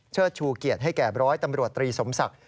ชูเกียรติให้แก่ร้อยตำรวจตรีสมศักดิ์